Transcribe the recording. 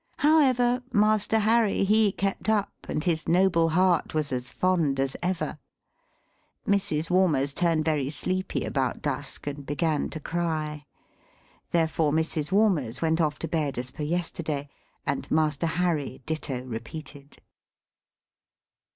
However, Master Harry, he kept up, and his noble heart was as fond as ever. Mrs. Walmers turned very sleepy about dusk, and began to cry. Therefore, Mrs. Walmers went off to bed as per yesterday; and Master Harry ditto repeated.